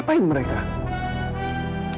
apa yang mereka lakukan